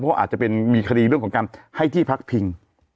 เพราะว่าอาจจะเป็นมีคดีเรื่องของการให้ที่พักพิง